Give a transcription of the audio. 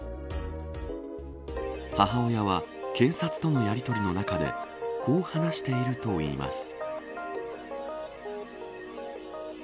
母親は、警察とのやりとりの中でこう話しているといいます。